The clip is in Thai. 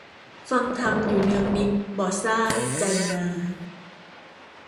ฟังธรรมอยู่เนืองนิตย์ บ่ทราบ ใจนา